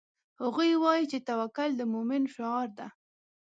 هغوی وایي چې توکل د مومن شعار ده